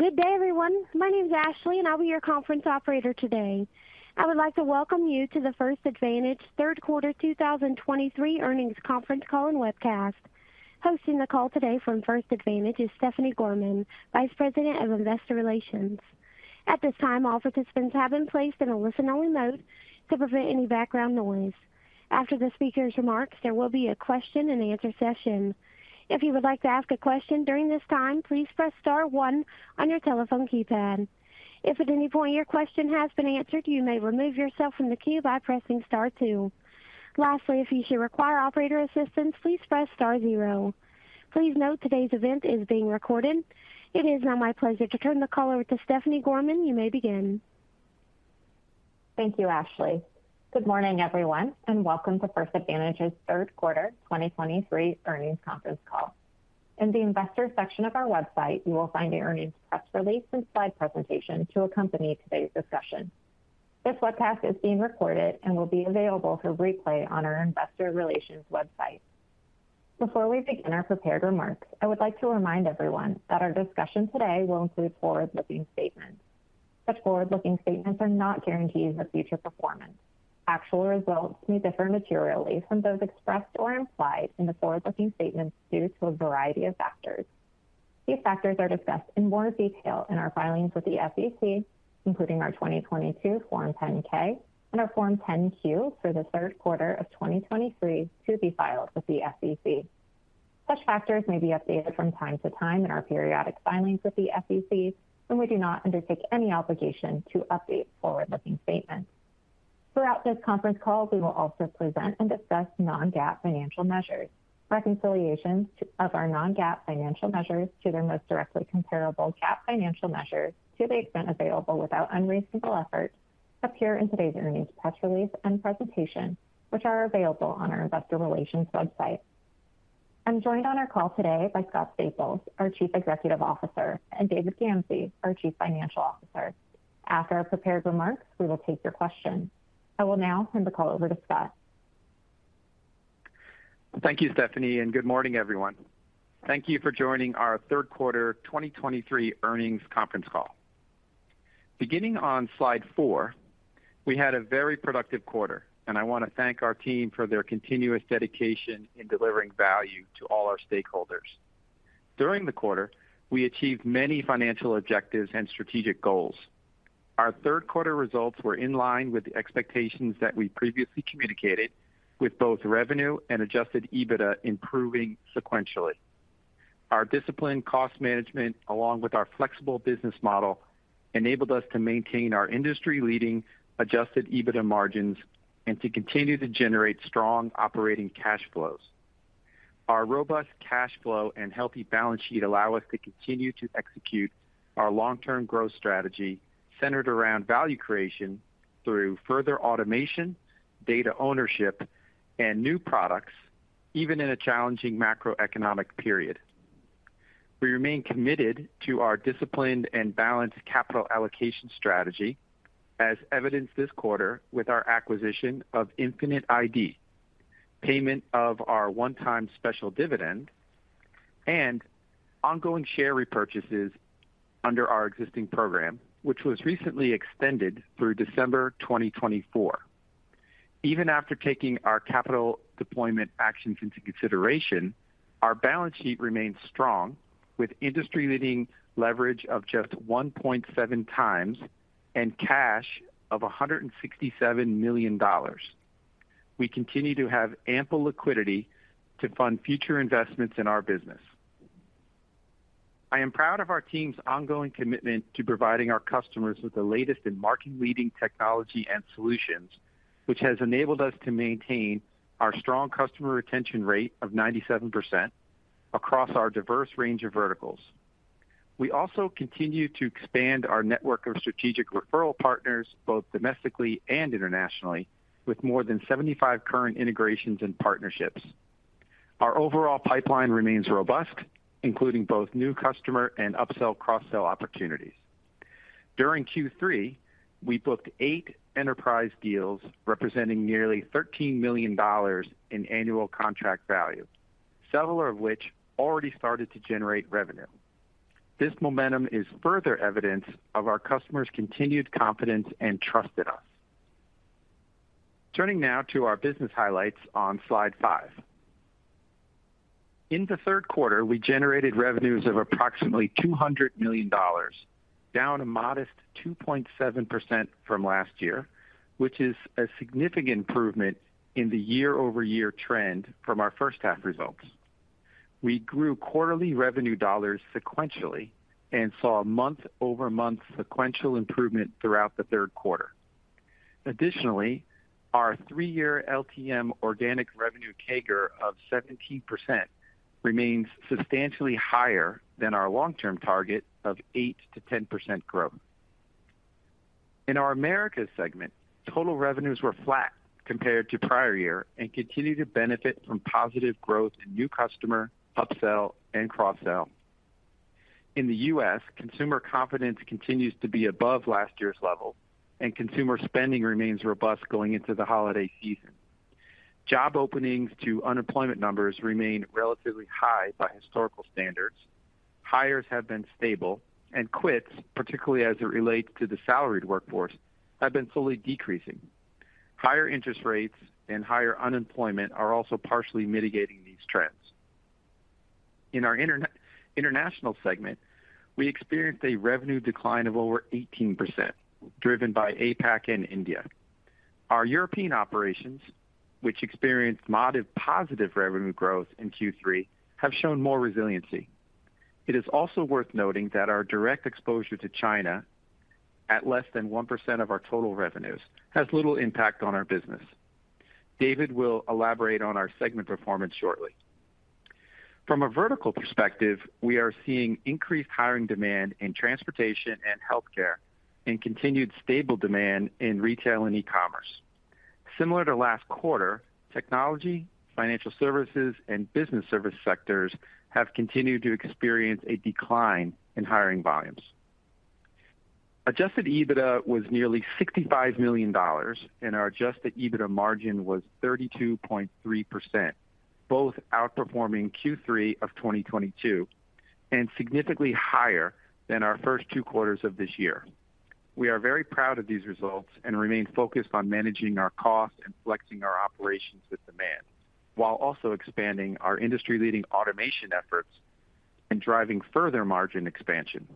Good day, everyone. My name is Ashley, and I'll be your conference operator today. I would like to welcome you to the First Advantage Third Quarter 2023 Earnings Conference Call and Webcast. Hosting the call today from First Advantage is Stephanie Gorman, Vice President of Investor Relations. At this time, all participants have been placed in a listen-only mode to prevent any background noise. After the speaker's remarks, there will be a question-and-answer session. If you would like to ask a question during this time, please press star one on your telephone keypad. If at any point your question has been answered, you may remove yourself from the queue by pressing star two. Lastly, if you should require operator assistance, please press star zero. Please note today's event is being recorded. It is now my pleasure to turn the call over to Stephanie Gorman. You may begin. Thank you, Ashley. Good morning, everyone, and welcome to First Advantage's third quarter 2023 earnings conference call. In the investor section of our website, you will find the earnings press release and slide presentation to accompany today's discussion. This webcast is being recorded and will be available for replay on our investor relations website. Before we begin our prepared remarks, I would like to remind everyone that our discussion today will include forward-looking statements. Such forward-looking statements are not guarantees of future performance. Actual results may differ materially from those expressed or implied in the forward-looking statements due to a variety of factors. These factors are discussed in more detail in our filings with the SEC, including our 2022 Form 10-K and our Form 10-Q for the third quarter of 2023 to be filed with the SEC. Such factors may be updated from time to time in our periodic filings with the SEC, and we do not undertake any obligation to update forward-looking statements. Throughout this conference call, we will also present and discuss non-GAAP financial measures. Reconciliations of our non-GAAP financial measures to their most directly comparable GAAP financial measures, to the extent available without unreasonable effort, appear in today's earnings press release and presentation, which are available on our investor relations website. I'm joined on our call today by Scott Staples, our Chief Executive Officer, and David Gamsey, our Chief Financial Officer. After our prepared remarks, we will take your questions. I will now turn the call over to Scott. Thank you, Stephanie, and good morning, everyone. Thank you for joining our third quarter 2023 earnings conference call. Beginning on Slide four, we had a very productive quarter, and I want to thank our team for their continuous dedication in delivering value to all our stakeholders. During the quarter, we achieved many financial objectives and strategic goals. Our third quarter results were in line with the expectations that we previously communicated, with both revenue and Adjusted EBITDA improving sequentially. Our disciplined cost management, along with our flexible business model, enabled us to maintain our industry-leading Adjusted EBITDA margins and to continue to generate strong operating cash flows. Our robust cash flow and healthy balance sheet allow us to continue to execute our long-term growth strategy centered around value creation through further automation, data ownership, and new products, even in a challenging macroeconomic period. We remain committed to our disciplined and balanced capital allocation strategy, as evidenced this quarter with our acquisition of Infinite ID, payment of our one-time special dividend, and ongoing share repurchases under our existing program, which was recently extended through December 2024. Even after taking our capital deployment actions into consideration, our balance sheet remains strong, with industry-leading leverage of just 1.7 times and cash of $167 million. We continue to have ample liquidity to fund future investments in our business. I am proud of our team's ongoing commitment to providing our customers with the latest in market-leading technology and solutions, which has enabled us to maintain our strong customer retention rate of 97% across our diverse range of verticals. We also continue to expand our network of strategic referral partners, both domestically and internationally, with more than 75 current integrations and partnerships. Our overall pipeline remains robust, including both new customer and upsell, cross-sell opportunities. During Q3, we booked eight enterprise deals representing nearly $13 million in annual contract value, several of which already started to generate revenue. This momentum is further evidence of our customers' continued confidence and trust in us. Turning now to our business highlights on slide five. In the third quarter, we generated revenues of approximately $200 million, down a modest 2.7% from last year, which is a significant improvement in the year-over-year trend from our first half results. We grew quarterly revenue dollars sequentially and saw a month-over-month sequential improvement throughout the third quarter. Additionally, our three year LTM organic revenue CAGR of 17% remains substantially higher than our long-term target of 8%-10% growth. In our Americas segment, total revenues were flat compared to prior year and continue to benefit from positive growth in new customer, upsell, and cross-sell. In the U.S., consumer confidence continues to be above last year's level, and consumer spending remains robust going into the holiday season. Job openings to unemployment numbers remain relatively high by historical standards. Hires have been stable, and quits, particularly as it relates to the salaried workforce, have been slowly decreasing. Higher interest rates and higher unemployment are also partially mitigating these trends. In our international segment, we experienced a revenue decline of over 18%, driven by APAC and India. Our European operations, which experienced moderate positive revenue growth in Q3, have shown more resiliency. It is also worth noting that our direct exposure to China, at less than 1% of our total revenues, has little impact on our business. David will elaborate on our segment performance shortly. From a vertical perspective, we are seeing increased hiring demand in transportation and healthcare, and continued stable demand in retail and e-commerce. Similar to last quarter, technology, financial services, and business service sectors have continued to experience a decline in hiring volumes. Adjusted EBITDA was nearly $65 million, and our adjusted EBITDA margin was 32.3%, both outperforming Q3 of 2022, and significantly higher than our first two quarters of this year. We are very proud of these results and remain focused on managing our costs and flexing our operations with demand, while also expanding our industry-leading automation efforts and driving further margin expansion.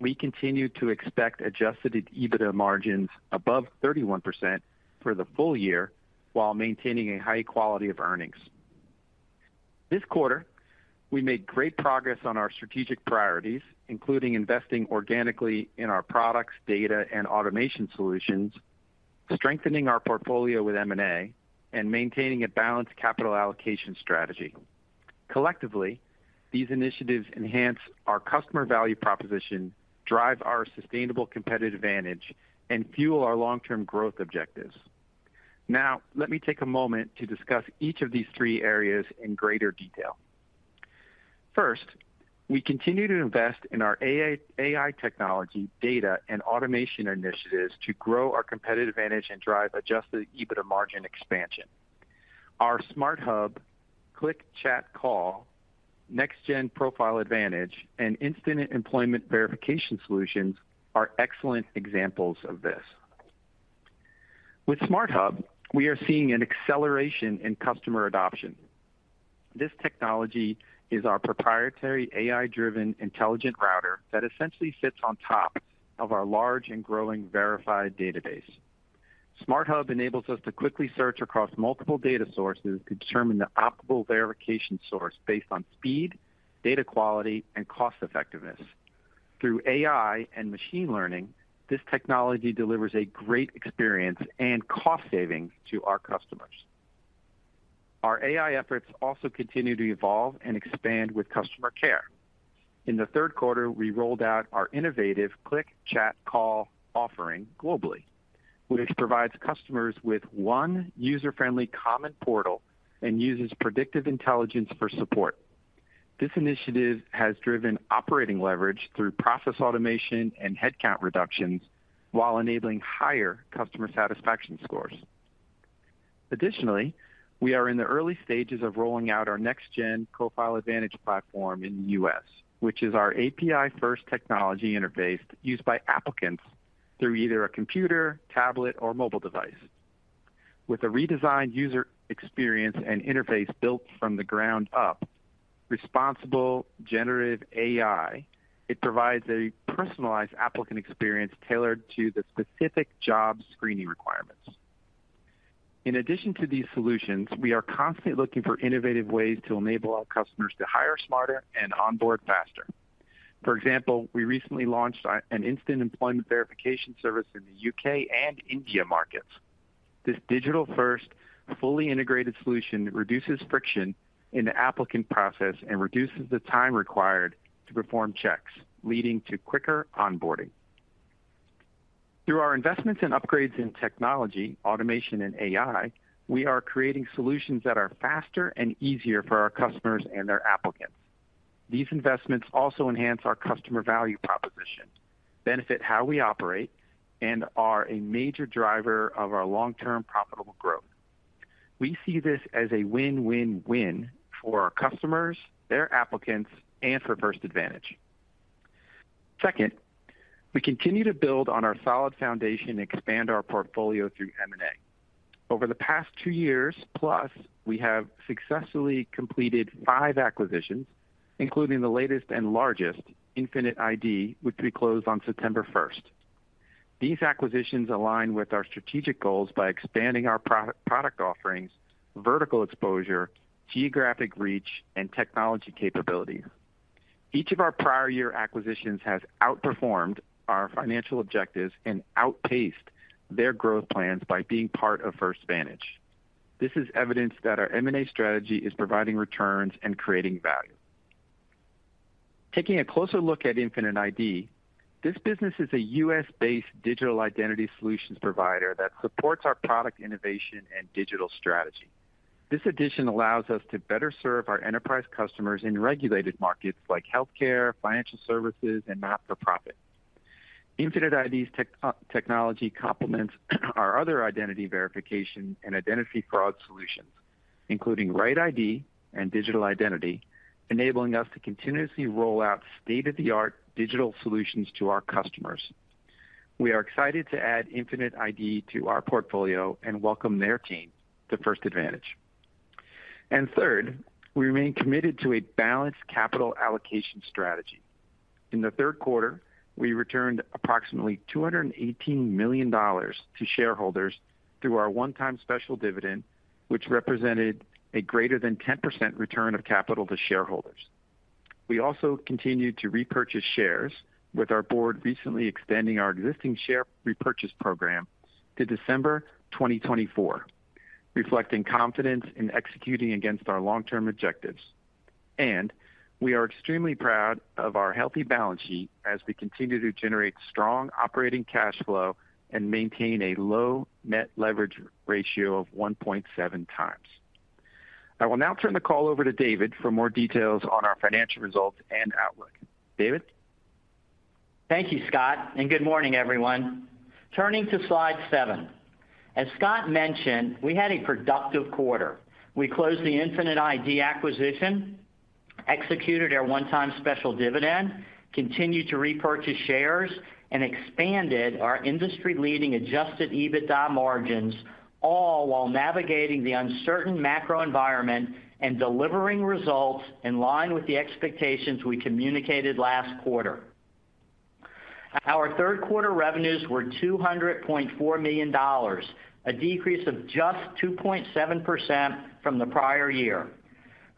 We continue to expect adjusted EBITDA margins above 31% for the full year, while maintaining a high quality of earnings. This quarter, we made great progress on our strategic priorities, including investing organically in our products, data, and automation solutions, strengthening our portfolio with M&A, and maintaining a balanced capital allocation strategy. Collectively, these initiatives enhance our customer value proposition, drive our sustainable competitive advantage, and fuel our long-term growth objectives. Now, let me take a moment to discuss each of these three areas in greater detail. First, we continue to invest in our AI, AI technology, data, and automation initiatives to grow our competitive advantage and drive adjusted EBITDA margin expansion. Our SmartHub, Click, Chat, Call, Next Gen Profile Advantage, and Instant Employment Verification Solutions are excellent examples of this. With SmartHub, we are seeing an acceleration in customer adoption. This technology is our proprietary AI-driven intelligent router that essentially sits on top of our large and growing verified database. SmartHub enables us to quickly search across multiple data sources to determine the optimal verification source based on speed, data quality, and cost effectiveness. Through AI and machine learning, this technology delivers a great experience and cost savings to our customers. Our AI efforts also continue to evolve and expand with customer care. In the third quarter, we rolled out our innovative Click, Chat, Call offering globally, which provides customers with one user-friendly common portal and uses predictive intelligence for support. This initiative has driven operating leverage through process automation and headcount reductions while enabling higher customer satisfaction scores. Additionally, we are in the early stages of rolling out our next-gen Profile Advantage platform in the U.S., which is our API-first technology interface used by applicants through either a computer, tablet, or mobile device. With a redesigned user experience and interface built from the ground up, responsible generative AI, it provides a personalized applicant experience tailored to the specific job screening requirements. In addition to these solutions, we are constantly looking for innovative ways to enable our customers to hire smarter and onboard faster. For example, we recently launched an instant employment verification service in the U.K. and India markets. This digital-first, fully integrated solution reduces friction in the applicant process and reduces the time required to perform checks, leading to quicker onboarding. Through our investments and upgrades in technology, automation, and AI, we are creating solutions that are faster and easier for our customers and their applicants. These investments also enhance our customer value proposition, benefit how we operate, and are a major driver of our long-term profitable growth. We see this as a win-win-win for our customers, their applicants, and for First Advantage. Second, we continue to build on our solid foundation and expand our portfolio through M&A. Over the past two years, plus, we have successfully completed five acquisitions, including the latest and largest, Infinite ID, which we closed on September first. These acquisitions align with our strategic goals by expanding our product offerings, vertical exposure, geographic reach, and technology capabilities. Each of our prior year acquisitions has outperformed our financial objectives and outpaced their growth plans by being part of First Advantage. This is evidence that our M&A strategy is providing returns and creating value. Taking a closer look at Infinite ID, this business is a U.S.-based digital identity solutions provider that supports our product innovation and digital strategy. This addition allows us to better serve our enterprise customers in regulated markets like healthcare, financial services, and not-for-profit. Infinite ID's technology complements our other identity verification and identity fraud solutions, including RightID and digital identity, enabling us to continuously roll out state-of-the-art digital solutions to our customers. We are excited to add Infinite ID to our portfolio and welcome their team to First Advantage. And third, we remain committed to a balanced capital allocation strategy. In the third quarter, we returned approximately $218 million to shareholders through our one-time special dividend, which represented a greater than 10% return of capital to shareholders. We also continued to repurchase shares with our board recently extending our existing share repurchase program to December 2024, reflecting confidence in executing against our long-term objectives. We are extremely proud of our healthy balance sheet as we continue to generate strong operating cash flow and maintain a low net leverage ratio of 1.7 times. I will now turn the call over to David for more details on our financial results and outlook. David? Thank you, Scott, and good morning, everyone. Turning to Slide seven. As Scott mentioned, we had a productive quarter. We closed the Infinite ID acquisition, executed our one-time special dividend, continued to repurchase shares, and expanded our industry-leading adjusted EBITDA margins, all while navigating the uncertain macro environment and delivering results in line with the expectations we communicated last quarter. Our third quarter revenues were $200.4 million, a decrease of just 2.7% from the prior year.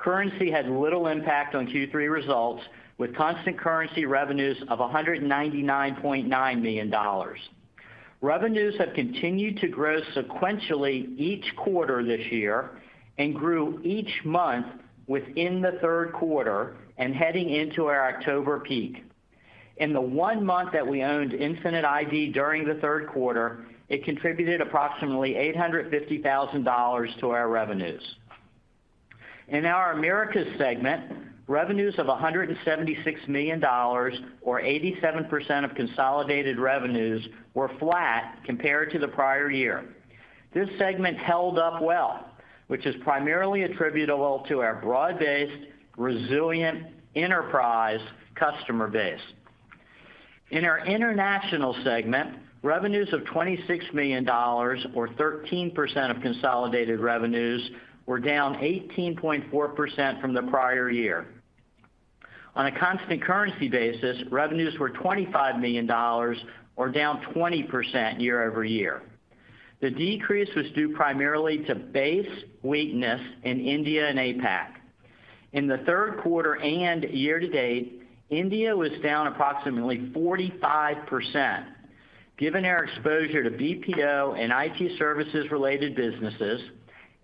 Currency had little impact on Q3 results, with constant currency revenues of $199.9 million. Revenues have continued to grow sequentially each quarter this year and grew each month within the third quarter and heading into our October peak. In the one month that we owned Infinite ID during the third quarter, it contributed approximately $850,000 to our revenues. In our Americas segment, revenues of $176 million, or 87% of consolidated revenues, were flat compared to the prior year. This segment held up well, which is primarily attributable to our broad-based, resilient enterprise customer base. In our international segment, revenues of $26 million, or 13% of consolidated revenues, were down 18.4% from the prior year. On a constant currency basis, revenues were $25 million, or down 20% year-over-year. The decrease was due primarily to base weakness in India and APAC. In the third quarter and year-to-date, India was down approximately 45%. Given our exposure to BPO and IT services-related businesses,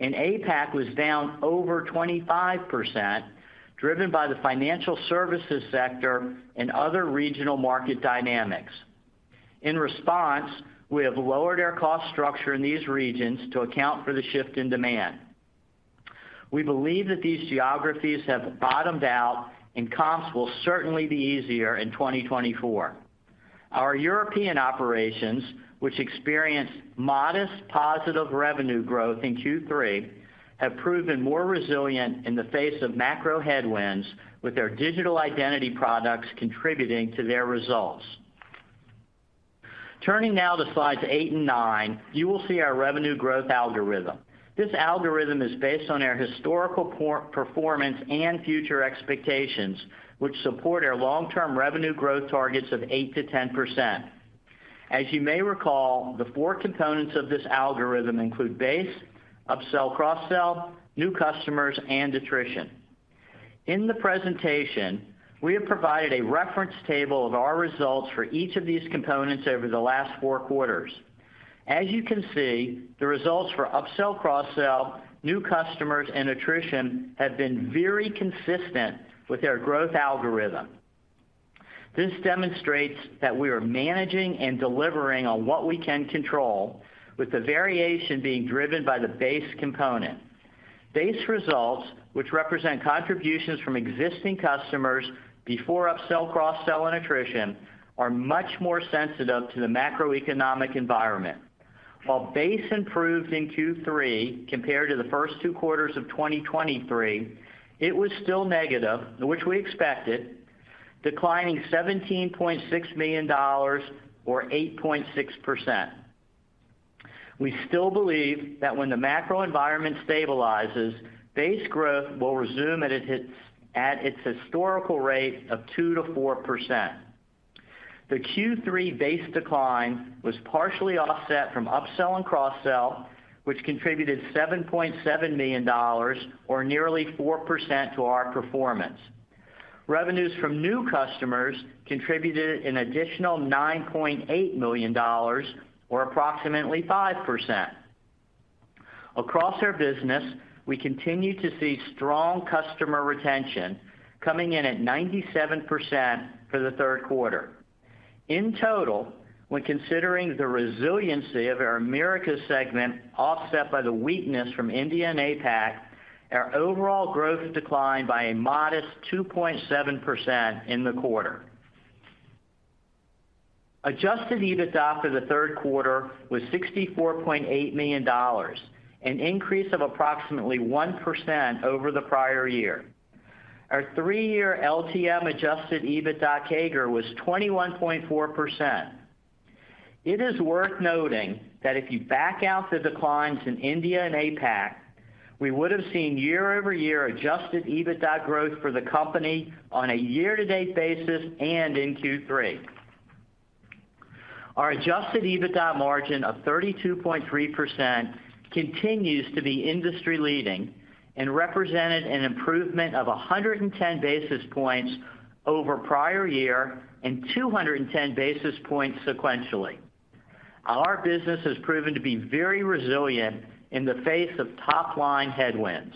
and APAC was down over 25%, driven by the financial services sector and other regional market dynamics. In response, we have lowered our cost structure in these regions to account for the shift in demand. We believe that these geographies have bottomed out, and comps will certainly be easier in 2024. Our European operations, which experienced modest positive revenue growth in Q3, have proven more resilient in the face of macro headwinds, with their digital identity products contributing to their results. Turning now to Slides eight and nine, you will see our revenue growth algorithm. This algorithm is based on our historical performance and future expectations, which support our long-term revenue growth targets of 8%-10%. As you may recall, the four components of this algorithm include base, upsell/cross-sell, new customers, and attrition. In the presentation, we have provided a reference table of our results for each of these components over the last four quarters. As you can see, the results for upsell/cross-sell, new customers, and attrition have been very consistent with our growth algorithm. This demonstrates that we are managing and delivering on what we can control, with the variation being driven by the base component. Base results, which represent contributions from existing customers before upsell/cross-sell and attrition, are much more sensitive to the macroeconomic environment. While base improved in Q3 compared to the first two quarters of 2023, it was still negative, which we expected, declining $17.6 million or 8.6%. We still believe that when the macro environment stabilizes, base growth will resume at its historical rate of 2% to 4%. The Q3 base decline was partially offset from upsell and cross-sell, which contributed $7.7 million or nearly 4% to our performance. Revenues from new customers contributed an additional $9.8 million or approximately 5%. Across our business, we continue to see strong customer retention coming in at 97% for the third quarter. In total, when considering the resiliency of our Americas segment, offset by the weakness from India and APAC.Our overall growth declined by a modest 2.7% in the quarter. Adjusted EBITDA for the third quarter was $64.8 million, an increase of approximately 1% over the prior year. Our three-year LTM adjusted EBITDA CAGR was 21.4%. It is worth noting that if you back out the declines in India and APAC, we would have seen year-over-year adjusted EBITDA growth for the company on a year-to-date basis and in Q3. Our adjusted EBITDA margin of 32.3% continues to be industry-leading and represented an improvement of 110 basis points over prior year and 210 basis points sequentially. Our business has proven to be very resilient in the face of top-line headwinds.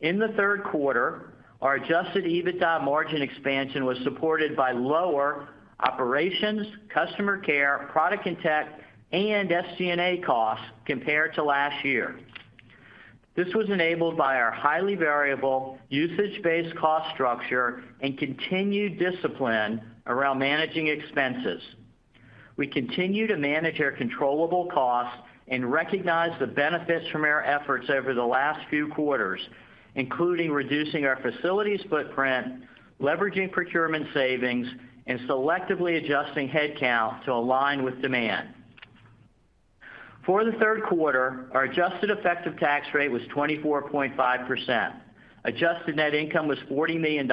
In the third quarter, our adjusted EBITDA margin expansion was supported by lower operations, customer care, product and tech, and SG&A costs compared to last year. This was enabled by our highly variable usage-based cost structure and continued discipline around managing expenses. We continue to manage our controllable costs and recognize the benefits from our efforts over the last few quarters, including reducing our facilities footprint, leveraging procurement savings, and selectively adjusting headcount to align with demand. For the third quarter, our Adjusted Effective Tax Rate was 24.5%. Adjusted Net Income was $40 million,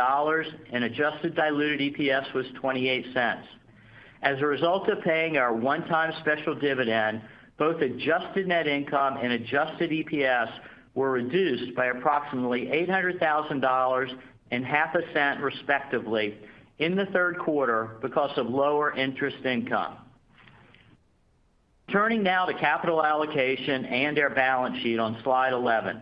and Adjusted Diluted EPS was $0.28. As a result of paying our one-time special dividend, both Adjusted Net Income and Adjusted Diluted EPS were reduced by approximately $800,000 and $0.005, respectively, in the third quarter because of lower interest income. Turning now to capital allocation and our balance sheet on Slide 11.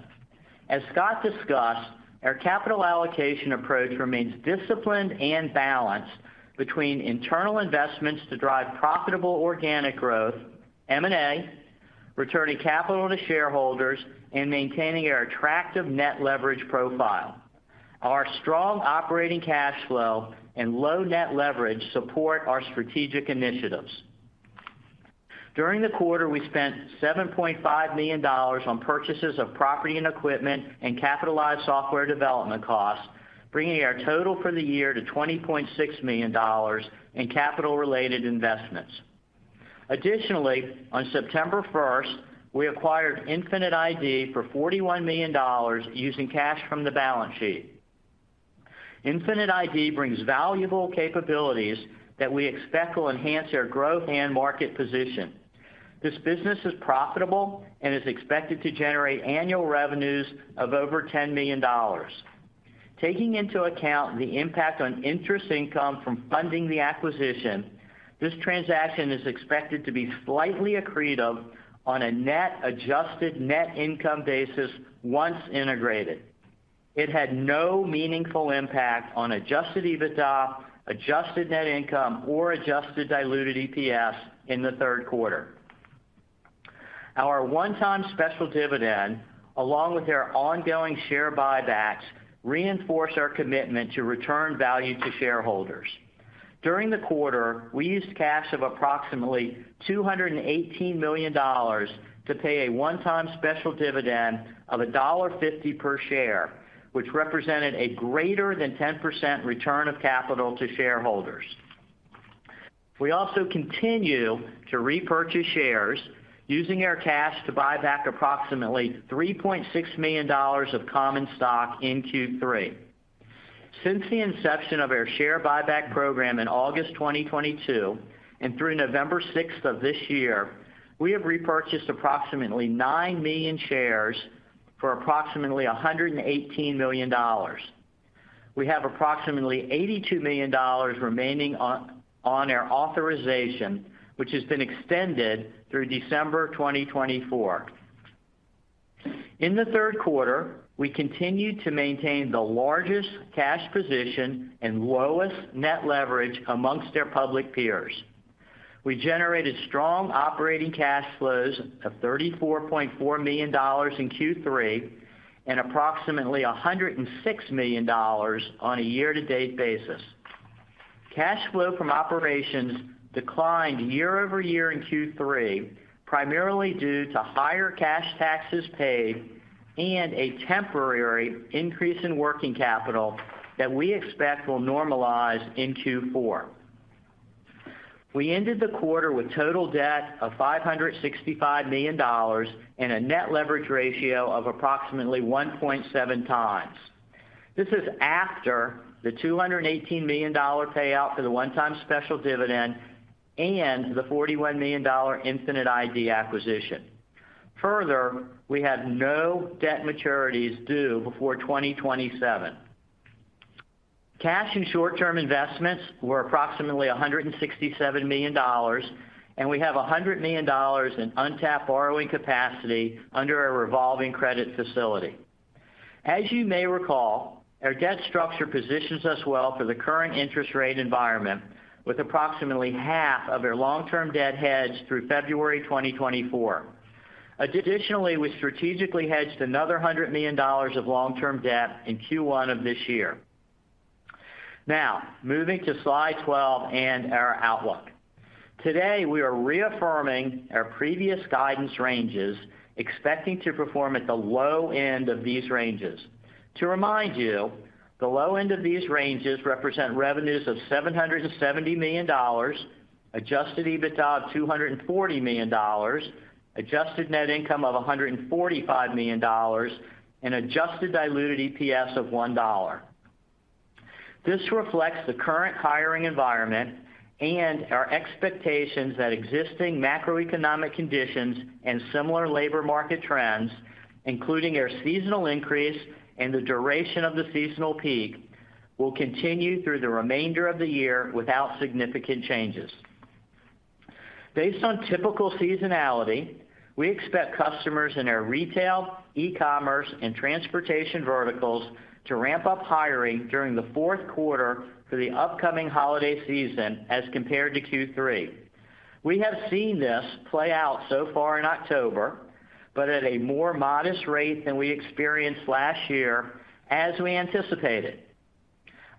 As Scott discussed, our capital allocation approach remains disciplined and balanced between internal investments to drive profitable organic growth, M&A, returning capital to shareholders, and maintaining our attractive net leverage profile. Our strong operating cash flow and low net leverage support our strategic initiatives. During the quarter, we spent $7.5 million on purchases of property and equipment and capitalized software development costs, bringing our total for the year to $20.6 million in capital-related investments. Additionally, on September 1st, we acquired Infinite ID for $41 million using cash from the balance sheet. Infinite ID brings valuable capabilities that we expect will enhance our growth and market position. This business is profitable and is expected to generate annual revenues of over $10 million. Taking into account the impact on interest income from funding the acquisition, this transaction is expected to be slightly accretive on a net adjusted net income basis once integrated. It had no meaningful impact on adjusted EBITDA, adjusted net income, or adjusted diluted EPS in the third quarter. Our one-time special dividend, along with our ongoing share buybacks, reinforce our commitment to return value to shareholders. During the quarter, we used cash of approximately $218 million to pay a one-time special dividend of $1.50 per share, which represented a greater than 10% return of capital to shareholders. We also continue to repurchase shares using our cash to buy back approximately $3.6 million of common stock in Q3. Since the inception of our share buyback program in August 2022 and through November 6 of this year, we have repurchased approximately 9 million shares for approximately $118 million. We have approximately $82 million remaining on our authorization, which has been extended through December 2024. In the third quarter, we continued to maintain the largest cash position and lowest net leverage amongst our public peers. We generated strong operating cash flows of $34.4 million in Q3 and approximately $106 million on a year-to-date basis. Cash flow from operations declined year-over-year in Q3, primarily due to higher cash taxes paid and a temporary increase in working capital that we expect will normalize in Q4. We ended the quarter with total debt of $565 million and a net leverage ratio of approximately 1.7 times. This is after the $218 million payout for the one-time special dividend and the $41 million Infinite ID acquisition. Further, we have no debt maturities due before 2027. Cash and short-term investments were approximately $167 million, and we have $100 million in untapped borrowing capacity under our revolving credit facility. As you may recall, our debt structure positions us well for the current interest rate environment, with approximately half of their long-term debt hedged through February 2024. Additionally, we strategically hedged another $100 million of long-term debt in Q1 of this year. Now, moving to Slide 12 and our outlook. Today, we are reaffirming our previous guidance ranges, expecting to perform at the low end of these ranges. To remind you, the low end of these ranges represent revenues of $770 million, adjusted EBITDA of $240 million, adjusted net income of $145 million, and adjusted diluted EPS of $1. This reflects the current hiring environment and our expectations that existing macroeconomic conditions and similar labor market trends, including our seasonal increase and the duration of the seasonal peak, will continue through the remainder of the year without significant changes. Based on typical seasonality, we expect customers in our retail, e-commerce, and transportation verticals to ramp up hiring during the fourth quarter for the upcoming holiday season as compared to Q3. We have seen this play out so far in October, but at a more modest rate than we experienced last year, as we anticipated.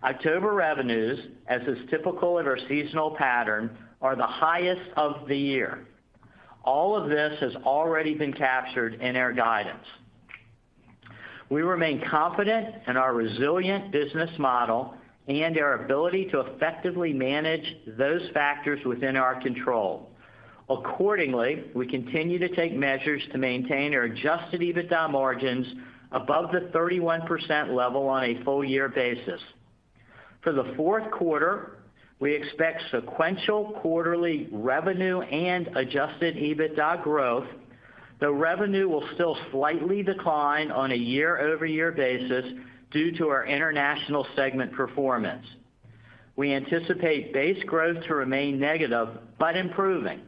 October revenues, as is typical of our seasonal pattern, are the highest of the year. All of this has already been captured in our guidance. We remain confident in our resilient business model and our ability to effectively manage those factors within our control. Accordingly, we continue to take measures to maintain our adjusted EBITDA margins above the 31% level on a full-year basis. For the fourth quarter, we expect sequential quarterly revenue and adjusted EBITDA growth, though revenue will still slightly decline on a year-over-year basis due to our international segment performance. We anticipate base growth to remain negative, but improving.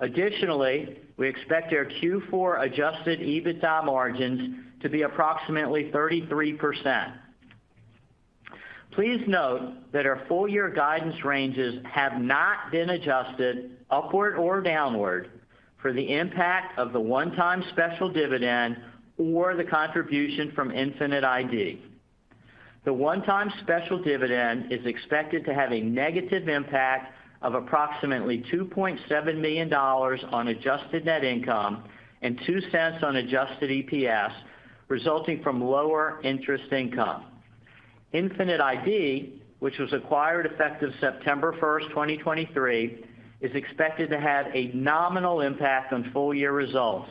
Additionally, we expect our Q4 adjusted EBITDA margins to be approximately 33%. Please note that our full-year guidance ranges have not been adjusted upward or downward for the impact of the one-time special dividend or the contribution from Infinite ID. The one-time special dividend is expected to have a negative impact of approximately $2.7 million on adjusted net income and $0.02 on adjusted EPS, resulting from lower interest income. Infinite ID, which was acquired effective September 1st, 2023, is expected to have a nominal impact on full-year results.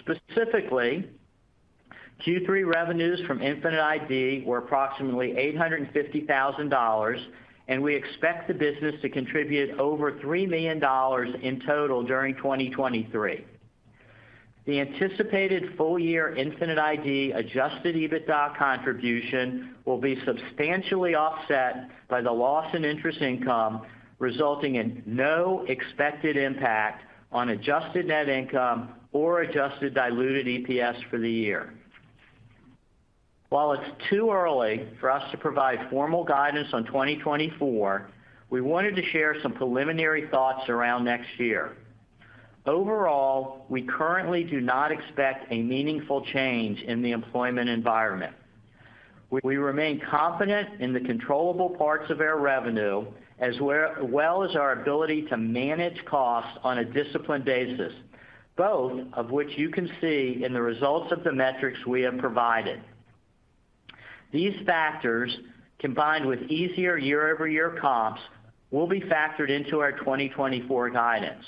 Specifically, Q3 revenues from Infinite ID were approximately $850,000, and we expect the business to contribute over $3 million in total during 2023. The anticipated full-year Infinite ID adjusted EBITDA contribution will be substantially offset by the loss in interest income, resulting in no expected impact on adjusted net income or adjusted diluted EPS for the year. While it's too early for us to provide formal guidance on 2024, we wanted to share some preliminary thoughts around next year. Overall, we currently do not expect a meaningful change in the employment environment. We remain confident in the controllable parts of our revenue, as well as our ability to manage costs on a disciplined basis, both of which you can see in the results of the metrics we have provided. These factors, combined with easier year-over-year comps, will be factored into our 2024 guidance.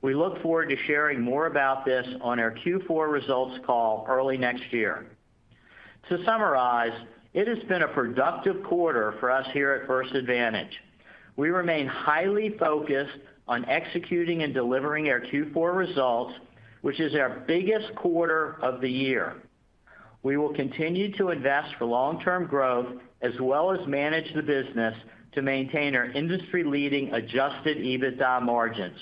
We look forward to sharing more about this on our Q4 results call early next year. To summarize, it has been a productive quarter for us here at First Advantage. We remain highly focused on executing and delivering our Q4 results, which is our biggest quarter of the year. We will continue to invest for long-term growth, as well as manage the business to maintain our industry-leading Adjusted EBITDA margins.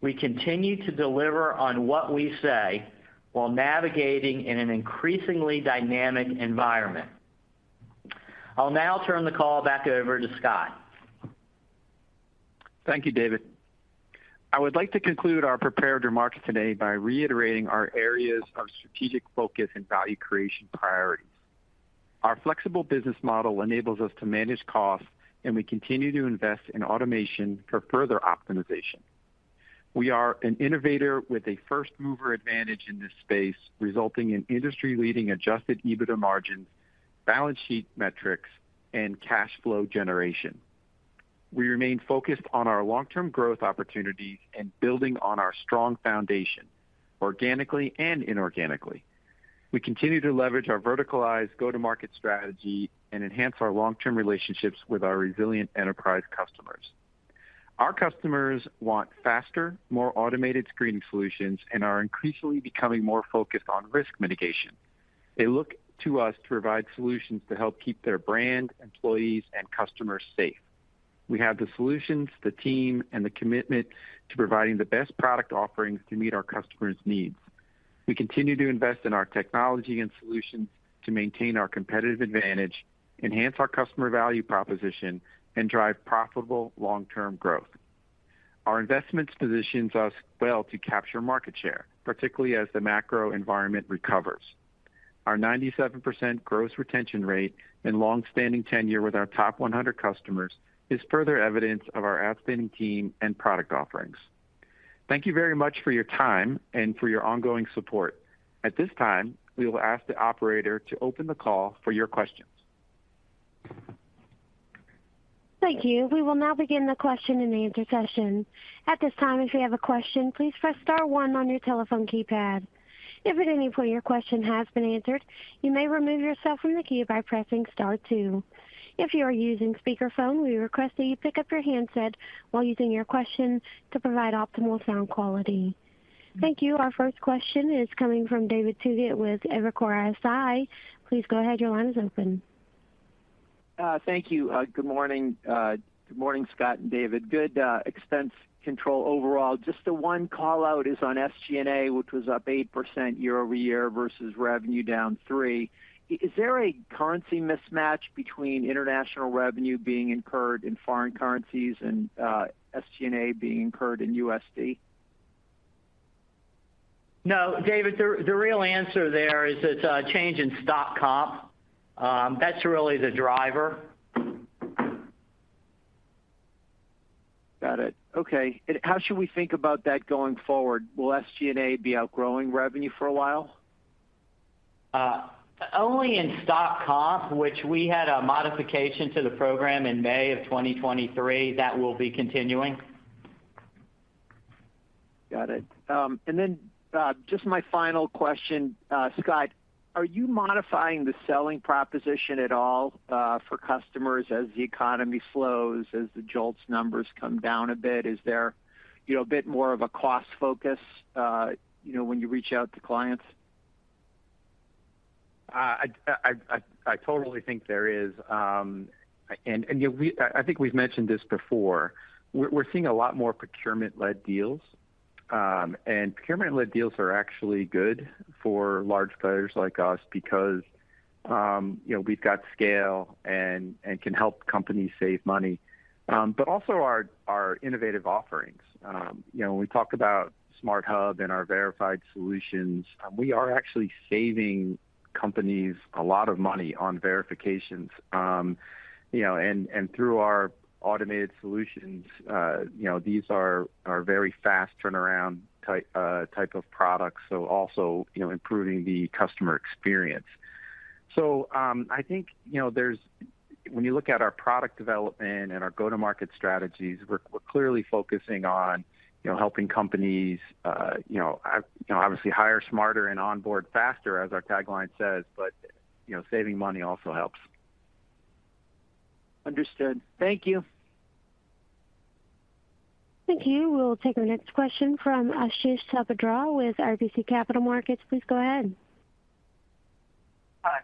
We continue to deliver on what we say while navigating in an increasingly dynamic environment. I'll now turn the call back over to Scott. Thank you, David. I would like to conclude our prepared remarks today by reiterating our areas of strategic focus and value creation priorities. Our flexible business model enables us to manage costs, and we continue to invest in automation for further optimization. We are an innovator with a first-mover advantage in this space, resulting in industry-leading adjusted EBITDA margins, balance sheet metrics, and cash flow generation. We remain focused on our long-term growth opportunities and building on our strong foundation, organically and inorganically. We continue to leverage our verticalized go-to-market strategy and enhance our long-term relationships with our resilient enterprise customers. Our customers want faster, more automated screening solutions and are increasingly becoming more focused on risk mitigation. They look to us to provide solutions to help keep their brand, employees, and customers safe. We have the solutions, the team, and the commitment to providing the best product offerings to meet our customers' needs. We continue to invest in our technology and solutions to maintain our competitive advantage, enhance our customer value proposition, and drive profitable long-term growth. Our investments positions us well to capture market share, particularly as the macro environment recovers. Our 97% gross retention rate and long-standing tenure with our top 100 customers is further evidence of our outstanding team and product offerings. Thank you very much for your time and for your ongoing support. At this time, we will ask the operator to open the call for your questions. Thank you. We will now begin the question and answer session. At this time, if you have a question, please press star one on your telephone keypad. If at any point your question has been answered, you may remove yourself from the queue by pressing star two. If you are using speakerphone, we request that you pick up your handset while using your question to provide optimal sound quality. Thank you. Our first question is coming from David Togut with Evercore ISI. Please go ahead. Your line is open. Thank you. Good morning. Good morning, Scott and David. Good expense control overall. Just the one call-out is on SG&A, which was up 8% year-over-year versus revenue down three. Is there a currency mismatch between international revenue being incurred in foreign currencies and SG&A being incurred in USD? No, David, the real answer there is it's a change in stock comp. That's really the driver. Got it. Okay. How should we think about that going forward? Will SG&A be outgrowing revenue for a while? Only in Stock Comp, which we had a modification to the program in May of 2023, that will be continuing. Got it. And then, just my final question. Scott, are you modifying the selling proposition at all, for customers as the economy slows, as the JOLTS numbers come down a bit? Is there, you know, a bit more of a cost focus, you know, when you reach out to clients? I totally think there is. And you know, we've mentioned this before. I think we're seeing a lot more procurement-led deals. And procurement-led deals are actually good for large players like us because you know, we've got scale and can help companies save money. But also our innovative offerings. You know, when we talk about SmartHub and our verified solutions, we are actually saving companies a lot of money on verifications. You know, and through our automated solutions, you know, these are very fast turnaround type of products, so also improving the customer experience. So, I think, you know, there's... When you look at our product development and our go-to-market strategies, we're clearly focusing on, you know, helping companies, you know, obviously hire smarter and onboard faster, as our tagline says, but, you know, saving money also helps. Understood. Thank you. Thank you. We'll take our next question from Ashish Sabadra with RBC Capital Markets. Please go ahead.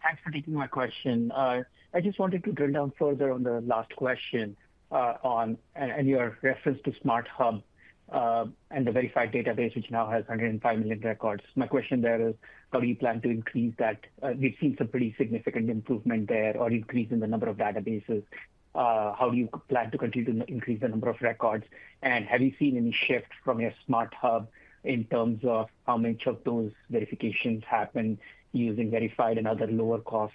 Thanks for taking my question. I just wanted to drill down further on the last question, on, and your reference to SmartHub, and the verified database, which now has 105 million records. My question there is: How do you plan to increase that? We've seen some pretty significant improvement there or increase in the number of databases. How do you plan to continue to increase the number of records? And have you seen any shift from your SmartHub in terms of how much of those verifications happen using Verified and other lower cost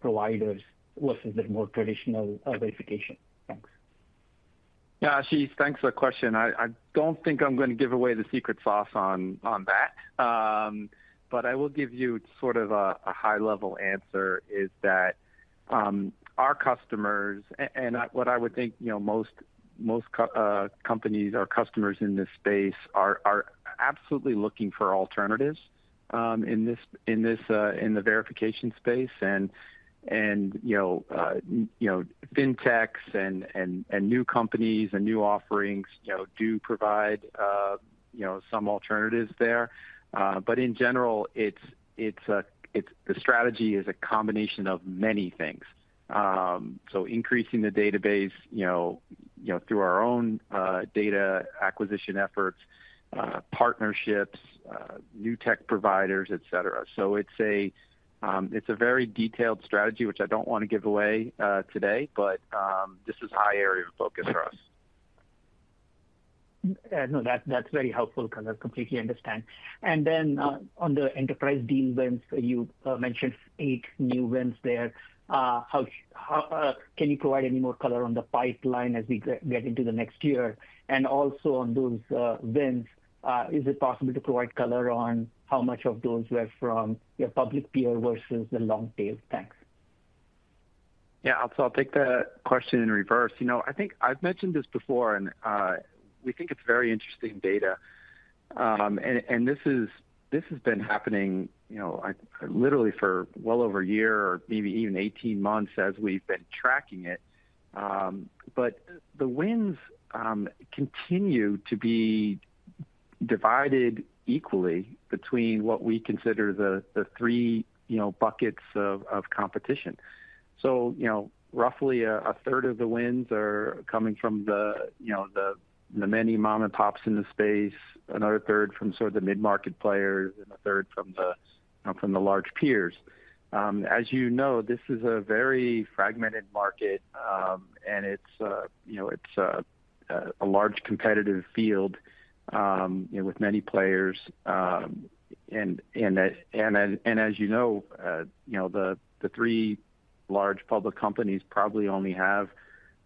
providers versus the more traditional verification? Thanks. Yeah, Ashish, thanks for the question. I don't think I'm going to give away the secret sauce on that. But I will give you sort of a high-level answer, is that our customers and what I would think, you know, most companies or customers in this space are absolutely looking for alternatives in the verification space. And, you know, fintechs and new companies and new offerings, you know, do provide some alternatives there. But in general, it's the strategy is a combination of many things. So increasing the database, you know, through our own data acquisition efforts, partnerships, new tech providers, et cetera. It's a very detailed strategy, which I don't want to give away today, but this is a high area of focus for us. No, that's very helpful because I completely understand. And then, on the enterprise deal wins, you mentioned eight new wins there. How can you provide any more color on the pipeline as we get into the next year? And also on those wins, is it possible to provide color on how much of those were from your public peer versus the long tail? Thanks. Yeah, so I'll take the question in reverse. You know, I think I've mentioned this before, and we think it's very interesting data. And this has been happening, you know, literally for well over a year or maybe even 18 months as we've been tracking it. But the wins continue to be divided equally between what we consider the three, you know, buckets of competition. So, you know, roughly a third of the wins are coming from the, you know, the many mom-and-pops in the space, another third from sort of the mid-market players, and a third from the large peers. As you know, this is a very fragmented market, and it's, you know, a large competitive field, you know, with many players. As you know, you know, the three large public companies probably only have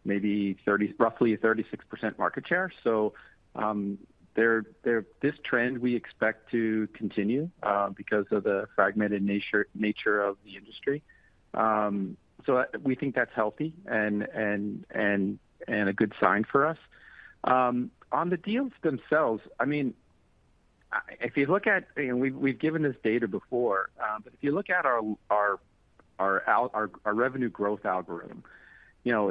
maybe 30- roughly 36% market share. So, this trend we expect to continue, because of the fragmented nature of the industry. So we think that's healthy and a good sign for us. On the deals themselves, I mean, if you look at, we've given this data before, but if you look at our revenue growth algorithm, you know,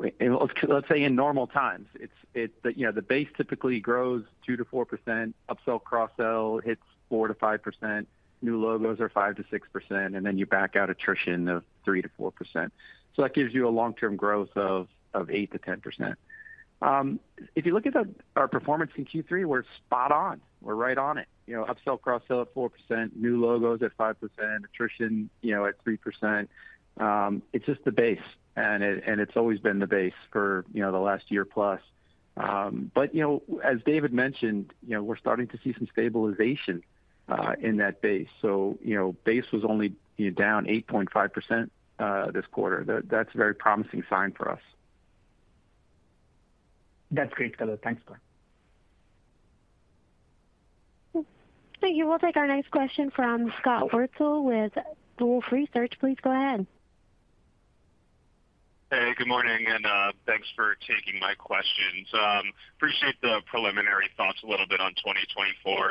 let's say in normal times, the base typically grows 2% to 4%, upsell, cross-sell hits 4% to 5%, new logos are 5% to6%, and then you back out attrition of 3% to 4%. That gives you a long-term growth of 8% to 10%. If you look at our performance in Q3, we're spot on. We're right on it. You know, upsell, cross-sell at 4%, new logos at 5%, attrition, you know, at 3%. It's just the base, and it's always been the base for, you know, the last year plus. You know, as David mentioned, you know, we're starting to see some stabilization in that base. You know, base was only down 8.5% this quarter. That's a very promising sign for us. That's great color. Thanks Scott. Thank you. We'll take our next question from Scott Wurtzel with Wolfe Research. Please go ahead. Hey, good morning, and thanks for taking my questions. Appreciate the preliminary thoughts a little bit on 2024,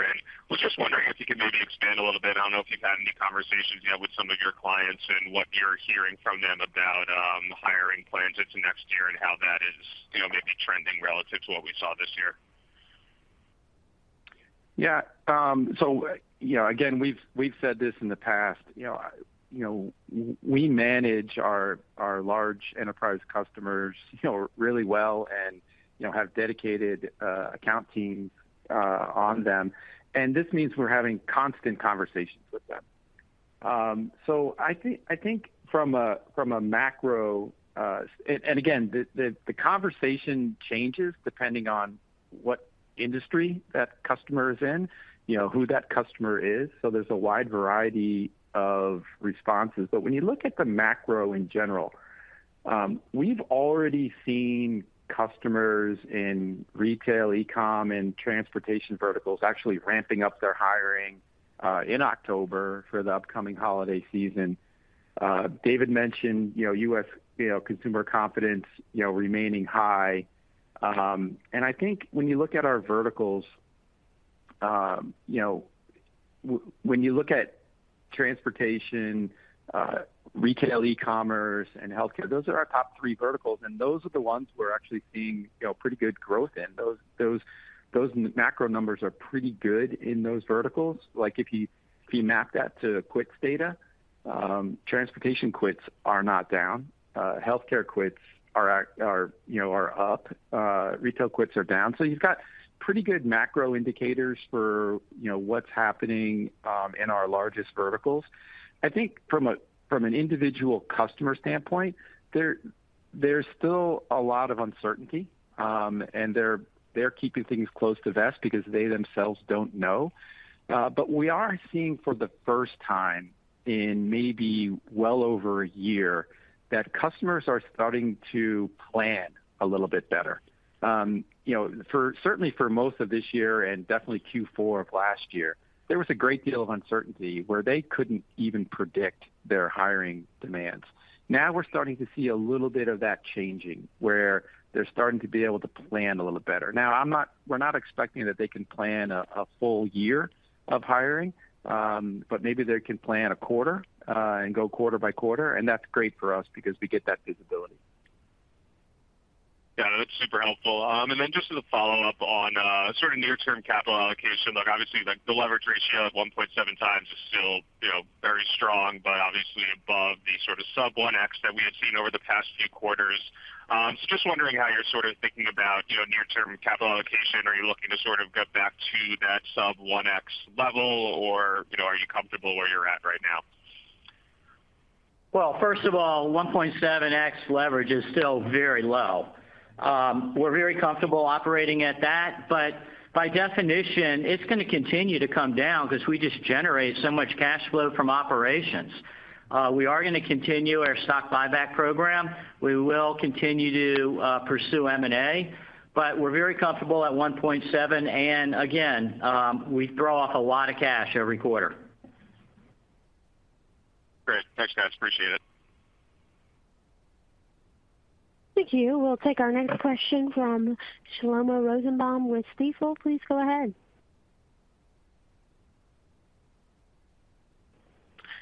and was just wondering if you could maybe expand a little bit. I don't know if you've had any conversations, you know, with some of your clients and what you're hearing from them about hiring plans into next year and how that is, you know, maybe trending relative to what we saw this year. Yeah. So, you know, again, we've said this in the past, you know, you know, we manage our large enterprise customers, you know, really well and, you know, have dedicated account teams on them, and this means we're having constant conversations with them. So I think, I think from a macro. And again, the conversation changes depending on what industry that customer is in, you know, who that customer is, so there's a wide variety of responses. But when you look at the macro in general, we've already seen customers in retail, e-com, and transportation verticals actually ramping up their hiring in October for the upcoming holiday season. David mentioned, you know, U.S., you know, consumer confidence, you know, remaining high. And I think when you look at our verticals, you know, when you look at transportation, retail, e-commerce, and healthcare, those are our top three verticals, and those are the ones we're actually seeing, you know, pretty good growth in. Those macro numbers are pretty good in those verticals. Like, if you map that to quits data, transportation quits are not down. Healthcare quits are, you know, up. Retail quits are down. So you've got pretty good macro indicators for, you know, what's happening in our largest verticals. I think from an individual customer standpoint, there's still a lot of uncertainty, and they're keeping things close to the vest because they themselves don't know. But we are seeing for the first time in maybe well over a year, that customers are starting to plan a little bit better. You know, certainly for most of this year and definitely Q4 of last year, there was a great deal of uncertainty where they couldn't even predict their hiring demands. Now we're starting to see a little bit of that changing, where they're starting to be able to plan a little better. Now, I'm not- we're not expecting that they can plan a, a full year of hiring, but maybe they can plan a quarter, and go quarter by quarter, and that's great for us because we get that visibility. Yeah, that's super helpful. And then just as a follow-up on sort of near-term capital allocation, like obviously, like the leverage ratio of 1.7x is still, you know, very strong, but obviously above the sort of sub-1x that we had seen over the past few quarters. So just wondering how you're sort of thinking about, you know, near-term capital allocation. Are you looking to sort of get back to that sub-1x level, or, you know, are you comfortable where you're at right now? Well, first of all, 1.7x leverage is still very low. We're very comfortable operating at that, but by definition, it's gonna continue to come down because we just generate so much cash flow from operations. We are gonna continue our stock buyback program. We will continue to pursue M&A, but we're very comfortable at 1.7, and again, we throw off a lot of cash every quarter. Great. Thanks, guys. Appreciate it. Thank you. We'll take our next question from Shlomo Rosenbaum with Stifel. Please go ahead.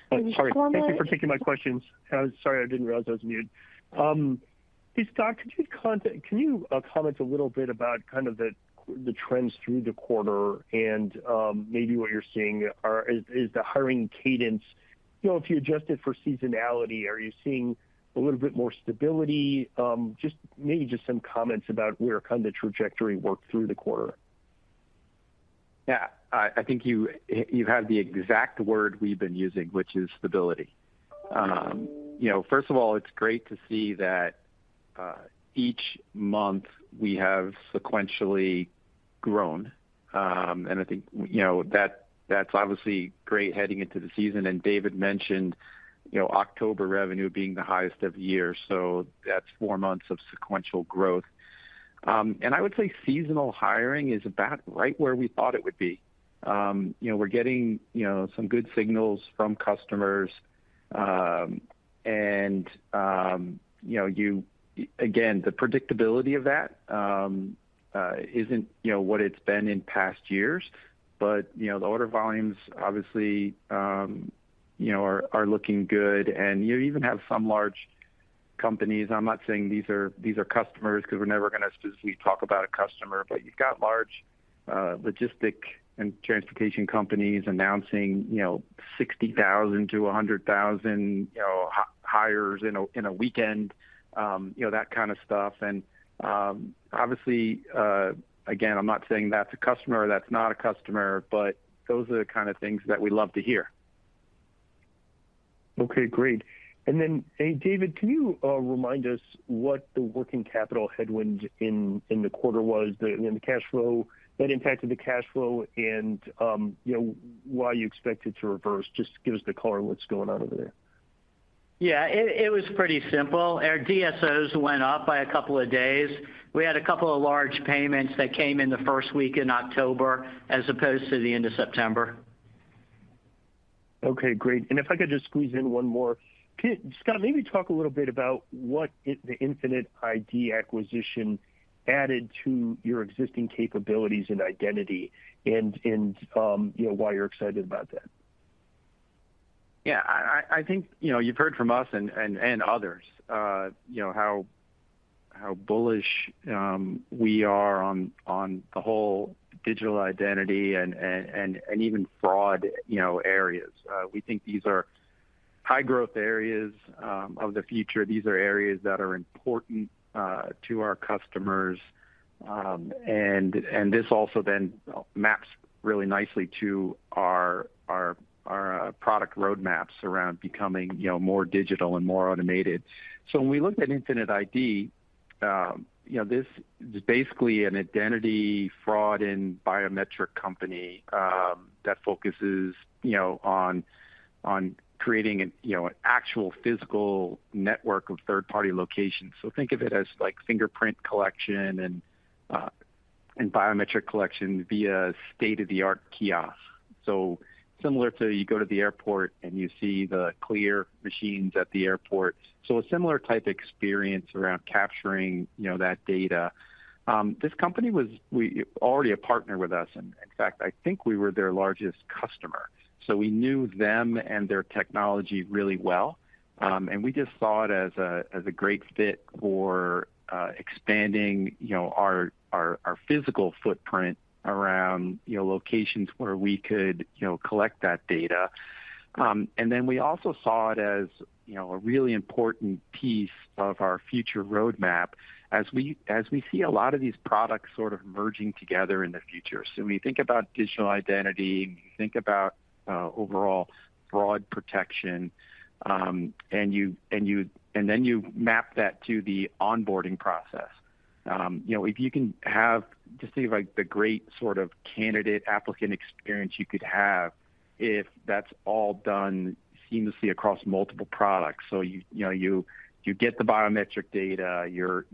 Sorry. Thank you for taking my questions. I was sorry, I didn't realize I was on mute. Hey, Scott, could you comment, can you comment a little bit about kind of the trends through the quarter and maybe what you're seeing is the hiring cadence? You know, if you adjust it for seasonality, are you seeing a little bit more stability? Just maybe just some comments about where kind of the trajectory worked through the quarter. Yeah, I think you have the exact word we've been using, which is stability. You know, first of all, it's great to see that each month we have sequentially grown. And I think, you know, that's obviously great heading into the season. And David mentioned, you know, October revenue being the highest of the year, so that's four months of sequential growth. And I would say seasonal hiring is about right where we thought it would be. You know, we're getting, you know, some good signals from customers. And you know, again, the predictability of that isn't, you know, what it's been in past years, but, you know, the order volumes, obviously, you know, are looking good. And you even have some large companies. I'm not saying these are, these are customers, 'cause we're never going to specifically talk about a customer, but you've got large, logistics and transportation companies announcing, you know, 60,000-100,000, you know, hires in a weekend, you know, that kind of stuff. And, obviously, again, I'm not saying that's a customer or that's not a customer, but those are the kind of things that we love to hear. Okay, great. And then, hey, David, can you remind us what the working capital headwind in the quarter was, in the cash flow, that impacted the cash flow? And, you know, why you expect it to reverse? Just give us the color on what's going on over there. Yeah, it was pretty simple. Our DSOs went up by a couple of days. We had a couple of large payments that came in the first week in October, as opposed to the end of September. Okay, great. If I could just squeeze in one more. Can Scott maybe talk a little bit about what the Infinite ID acquisition added to your existing capabilities and identity and, you know, why you're excited about that? Yeah, I think, you know, you've heard from us and others, you know, how bullish we are on the whole digital identity and even fraud, you know, areas. We think these are high growth areas of the future. These are areas that are important to our customers. And this also then maps really nicely to our product roadmaps around becoming, you know, more digital and more automated. So when we looked at Infinite ID, you know, this is basically an identity fraud and biometric company that focuses, you know, on creating an actual physical network of third-party locations. So think of it as like fingerprint collection and biometric collection via state-of-the-art kiosk. So similar to you go to the airport, and you see the CLEAR machines at the airport, so a similar type experience around capturing, you know, that data. This company was already a partner with us, and in fact, I think we were their largest customer, so we knew them and their technology really well. And we just saw it as a great fit for expanding, you know, our physical footprint around locations where we could, you know, collect that data. And then we also saw it as, you know, a really important piece of our future roadmap as we see a lot of these products sort of merging together in the future. So when you think about digital identity, and you think about overall fraud protection, and then you map that to the onboarding process. You know, if you can have, just think of, like, the great sort of candidate applicant experience you could have if that's all done seamlessly across multiple products. So you know, you get the biometric data, you're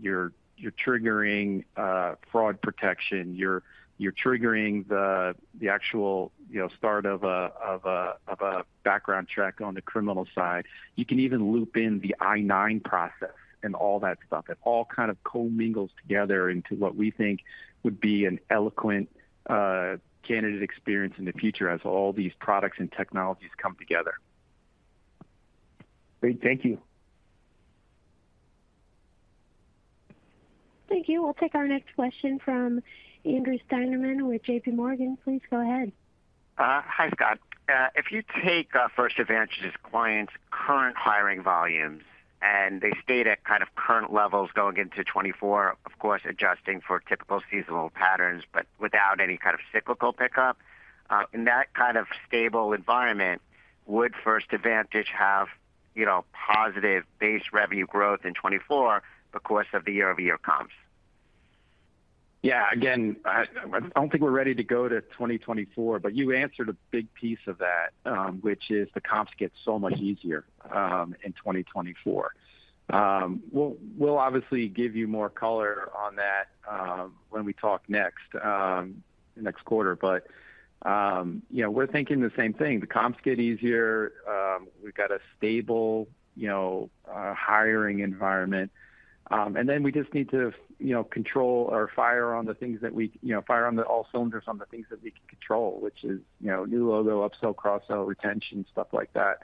triggering fraud protection, you're triggering the actual, you know, start of a background check on the criminal side. You can even loop in the I-9 process and all that stuff. It all kind of co-mingles together into what we think would be an eloquent candidate experience in the future as all these products and technologies come together. Great. Thank you. Thank you. We'll take our next question from Andrew Steinerman with JPMorgan. Please go ahead. Hi, Scott. If you take First Advantage's clients' current hiring volumes, and they stay at kind of current levels going into 2024, of course, adjusting for typical seasonal patterns, but without any kind of cyclical pickup, in that kind of stable environment, would First Advantage have, you know, positive base revenue growth in 2024 because of the year-over-year comps? Yeah, again, I don't think we're ready to go to 2024, but you answered a big piece of that, which is the comps get so much easier in 2024. We'll obviously give you more color on that when we talk next quarter. But, you know, we're thinking the same thing. The comps get easier. We've got a stable, you know, hiring environment. And then we just need to, you know, control or fire on the things that we, you know, fire on all cylinders on the things that we can control, which is, you know, new logo, upsell, cross-sell, retention, stuff like that.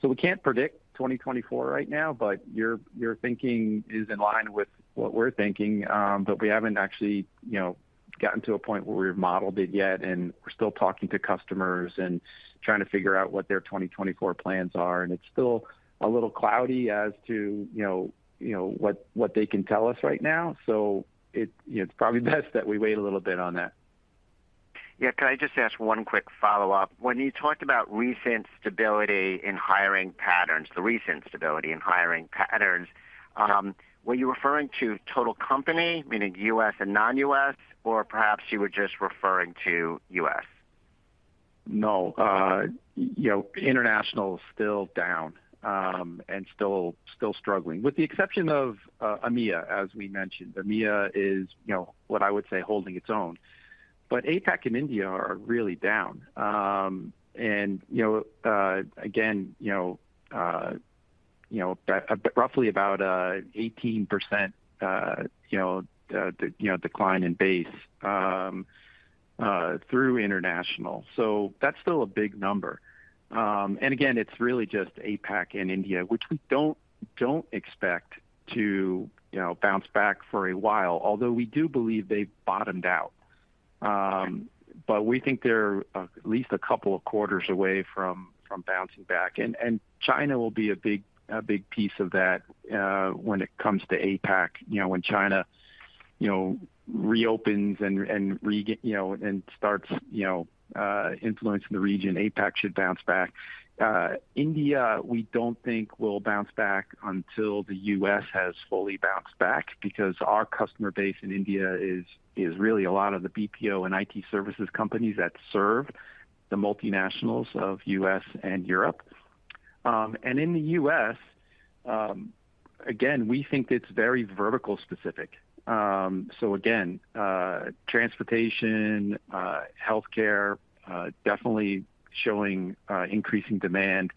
So we can't predict 2024 right now, but your thinking is in line with what we're thinking. But we haven't actually, you know, gotten to a point where we've modeled it yet, and we're still talking to customers and trying to figure out what their 2024 plans are, and it's still a little cloudy as to, you know, you know, what, what they can tell us right now. So, you know, it's probably best that we wait a little bit on that. Yeah. Can I just ask one quick follow-up? When you talked about the recent stability in hiring patterns, were you referring to total company, meaning U.S. and non-U.S., or perhaps you were just referring to U.S.? No. You know, international is still down, and still struggling. With the exception of EMEA, as we mentioned. EMEA is, you know, what I would say, holding its own. But APAC and India are really down. And, you know, again, you know, roughly about 18%, you know, decline in base through international. So that's still a big number. And again, it's really just APAC and India, which we don't expect to, you know, bounce back for a while, although we do believe they've bottomed out. But we think they're at least a couple of quarters away from bouncing back. And China will be a big piece of that when it comes to APAC. You know, when China, you know, reopens and starts, you know, influencing the region, APAC should bounce back. India, we don't think will bounce back until the U.S. has fully bounced back, because our customer base in India is really a lot of the BPO and IT services companies that serve the multinationals of U.S. and Europe. And in the US, again, we think it's very vertical specific. So again, transportation, healthcare, definitely showing increasing demand,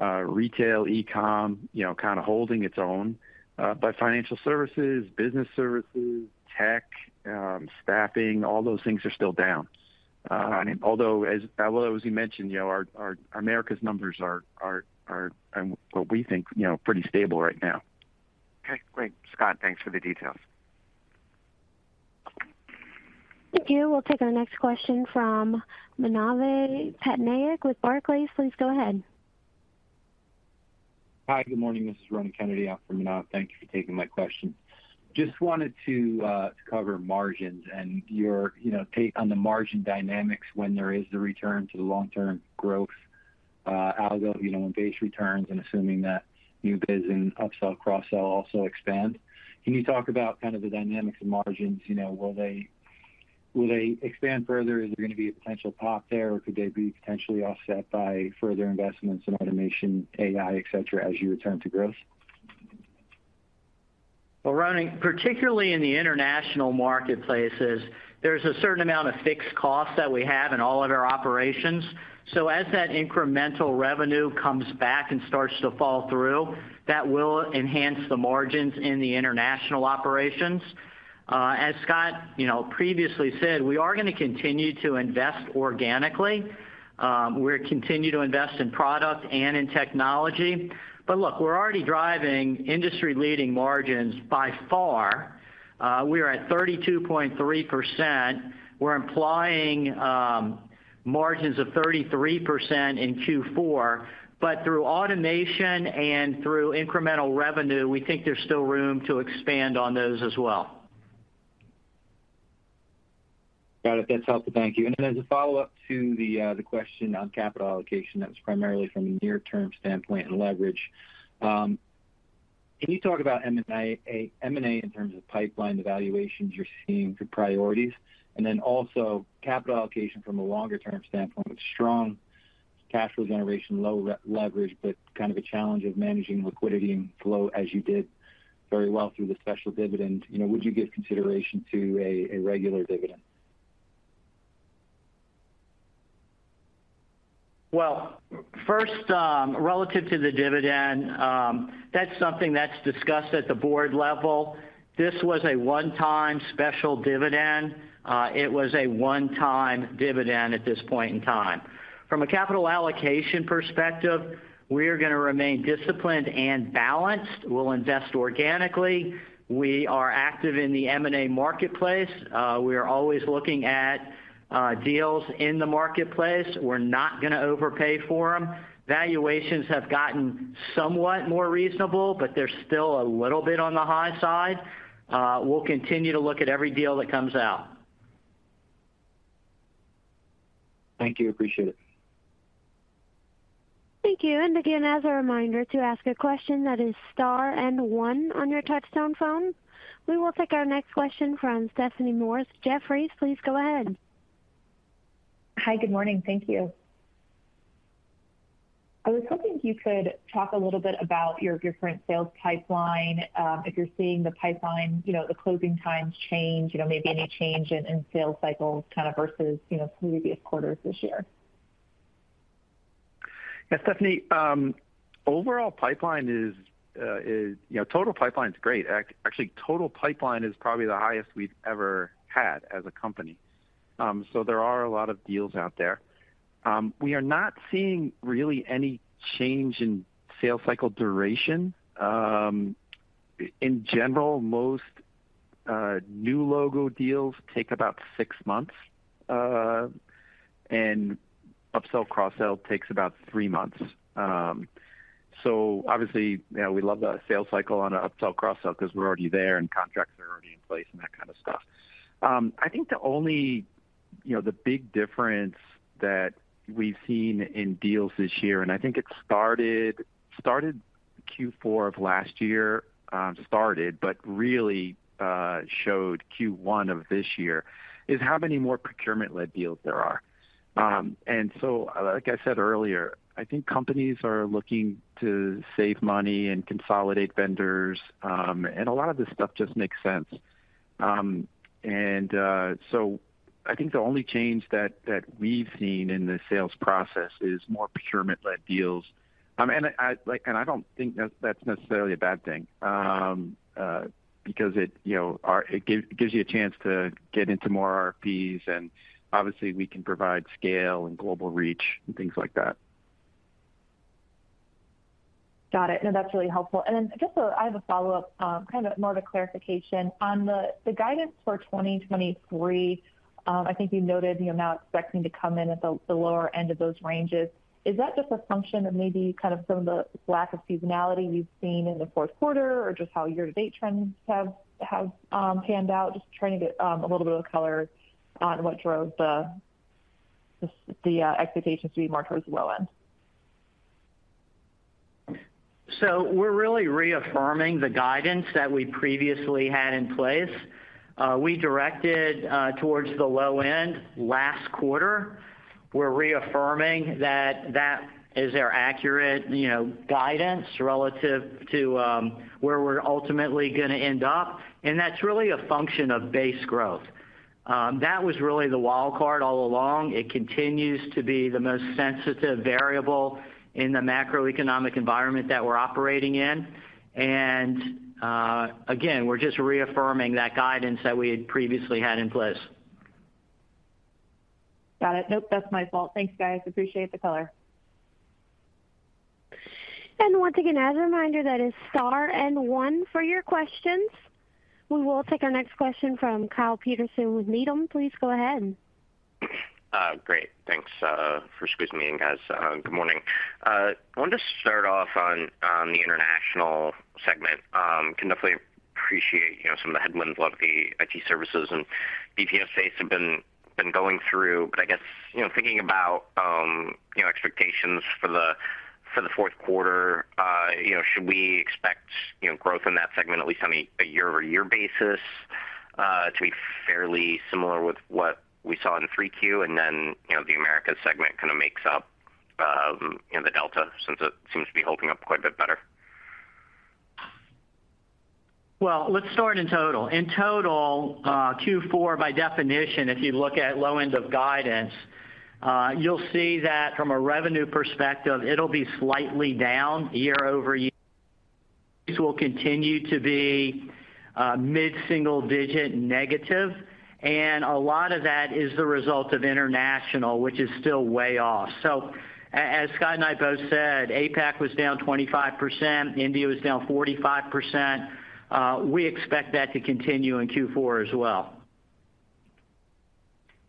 retail, e-com, you know, kind of holding its own. But financial services, business services, tech, staffing, all those things are still down. Although, as well as we mentioned, you know, our Americas' numbers are what we think, you know, pretty stable right now. Okay, great, Scott, thanks for the details. Thank you. We'll take our next question from Manav Patnaik with Barclays. Please go ahead. Hi, good morning, this is Ronan Kennedy on behalf of Manav. Thank you for taking my question. Just wanted to cover margins and your, you know, take on the margin dynamics when there is a return to the long-term growth algo, you know, and base returns, and assuming that new biz and upsell, cross-sell also expand. Can you talk about kind of the dynamics of margins? You know, will they, will they expand further? Is there going to be a potential pop there, or could they be potentially offset by further investments in automation, AI, et cetera, as you return to growth? Well, Ronan, particularly in the international marketplaces, there's a certain amount of fixed costs that we have in all of our operations. So as that incremental revenue comes back and starts to fall through, that will enhance the margins in the international operations. As Scott, you know, previously said, we are gonna continue to invest organically. We're continue to invest in product and in technology. But look, we're already driving industry-leading margins by far. We are at 32.3%. We're implying margins of 33% in Q4. But through automation and through incremental revenue, we think there's still room to expand on those as well. Got it. That's helpful. Thank you. And then as a follow-up to the question on capital allocation, that was primarily from a near-term standpoint and leverage. Can you talk about M&A, M&A in terms of pipeline evaluations you're seeing for priorities, and then also capital allocation from a longer-term standpoint with strong cash flow generation, low re-leverage, but kind of a challenge of managing liquidity and flow as you did very well through the special dividend. You know, would you give consideration to a regular dividend? Well, first, relative to the dividend, that's something that's discussed at the board level. This was a one-time special dividend. It was a one-time dividend at this point in time. From a capital allocation perspective, we are gonna remain disciplined and balanced. We'll invest organically. We are active in the M&A marketplace. We are always looking at deals in the marketplace. We're not gonna overpay for them. Valuations have gotten somewhat more reasonable, but they're still a little bit on the high side. We'll continue to look at every deal that comes out. Thank you. Appreciate it. Thank you, and again, as a reminder, to ask a question that is star and one on your touchtone phone. We will take our next question from Stephanie Moore, Jefferies. Please go ahead. Hi, good morning. Thank you. I was hoping you could talk a little bit about your, your current sales pipeline, if you're seeing the pipeline, you know, the closing times change, you know, maybe any change in, in sales cycles kind of versus, you know, previous quarters this year? Yeah, Stephanie, overall pipeline is. You know, total pipeline is great. Actually, total pipeline is probably the highest we've ever had as a company. So there are a lot of deals out there. We are not seeing really any change in sales cycle duration. In general, most new logo deals take about six months, and upsell cross-sell takes about three months. So obviously, you know, we love the sales cycle on an upsell cross-sell because we're already there and contracts are already in place and that kind of stuff. I think the only, you know, the big difference that we've seen in deals this year, and I think it started Q4 of last year, but really showed Q1 of this year, is how many more procurement-led deals there are. And so, like I said earlier, I think companies are looking to save money and consolidate vendors, and a lot of this stuff just makes sense. And so I think the only change that we've seen in the sales process is more procurement-led deals. And I don't think that's necessarily a bad thing, because it, you know, it gives you a chance to get into more RFPs, and obviously we can provide scale and global reach and things like that. Got it. No, that's really helpful. And then just, I have a follow-up, kind of more of a clarification. On the, the guidance for 2023, I think you noted you're now expecting to come in at the, the lower end of those ranges. Is that just a function of maybe kind of some of the lack of seasonality you've seen in the fourth quarter, or just how year-to-date trends have, have, panned out? Just trying to get a little bit of color on what drove the, the expectations to be more towards the low end. So we're really reaffirming the guidance that we previously had in place. We directed towards the low end last quarter. We're reaffirming that that is our accurate, you know, guidance relative to where we're ultimately gonna end up, and that's really a function of Base Growth. That was really the wild card all along. It continues to be the most sensitive variable in the macroeconomic environment that we're operating in. Again, we're just reaffirming that guidance that we had previously had in place. Got it. Nope, that's my fault. Thanks, guys. Appreciate the color. Once again, as a reminder, that is star and one for your questions. We will take our next question from Kyle Peterson with Needham. Please go ahead. Great. Thanks for squeezing me in, guys. Good morning. I wanted to start off on the international segment. Can definitely appreciate, you know, some of the headwinds a lot of the IT services and BTS space have been going through. But I guess, you know, thinking about expectations for the fourth quarter, you know, should we expect, you know, growth in that segment at least on a year-over-year basis to be fairly similar with what we saw in 3Q? And then, you know, the Americas segment kind of makes up the delta since it seems to be holding up quite a bit better. Well, let's start in total. In total, Q4, by definition, if you look at low end of guidance, you'll see that from a revenue perspective, it'll be slightly down year-over-year. This will continue to be mid-single digit negative, and a lot of that is the result of international, which is still way off. So as Scott and I both said, APAC was down 25%, India was down 45%. We expect that to continue in Q4 as well.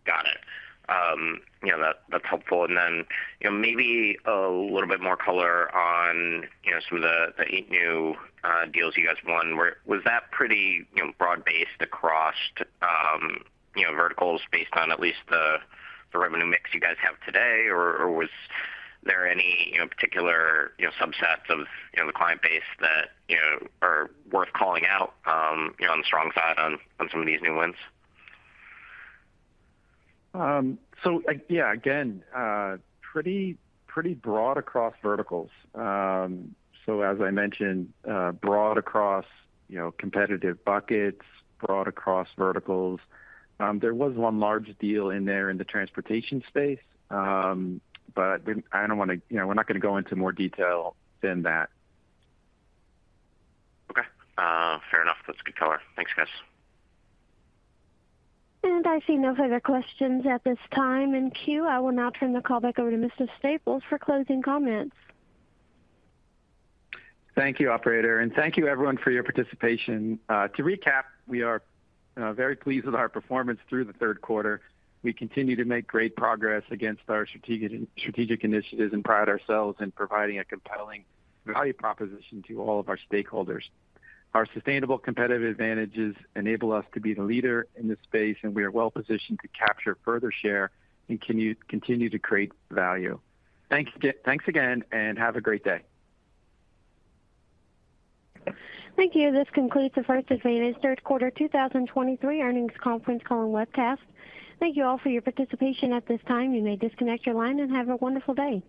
Got it. You know, that, that's helpful. And then, you know, maybe a little bit more color on, you know, some of the, the 8 new deals you guys won. Was that pretty, you know, broad-based across, you know, verticals based on at least the, the revenue mix you guys have today? Or was there any, you know, particular, you know, subsets of, you know, the client base that, you know, are worth calling out, you know, on the strong side on, on some of these new wins? So, yeah, again, pretty broad across verticals. So as I mentioned, broad across, you know, competitive buckets, broad across verticals. There was one large deal in there in the transportation space, but I don't want to, you know, we're not going to go into more detail than that. Okay, fair enough. That's good color. Thanks, guys. I see no further questions at this time in queue. I will now turn the call back over to Mr. Staples for closing comments. Thank you, operator, and thank you everyone for your participation. To recap, we are very pleased with our performance through the third quarter. We continue to make great progress against our strategic initiatives and pride ourselves in providing a compelling value proposition to all of our stakeholders. Our sustainable competitive advantages enable us to be the leader in this space, and we are well positioned to capture further share and continue to create value. Thank you. Thanks again, and have a great day. Thank you. This concludes the First Advantage third quarter 2023 earnings conference call and webcast. Thank you all for your participation. At this time, you may disconnect your line and have a wonderful day.